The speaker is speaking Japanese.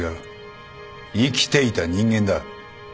生きていた人間だ。